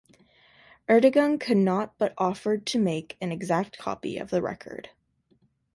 Ertegun could not but offered to make an exact copy of the record.